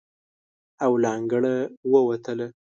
او له انګړه ووتله.